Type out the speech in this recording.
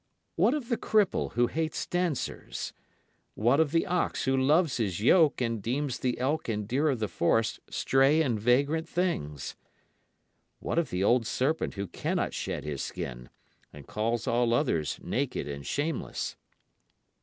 What of the cripple who hates dancers? What of the ox who loves his yoke and deems the elk and deer of the forest stray and vagrant things? What of the old serpent who cannot shed his skin, and calls all others naked and shameless?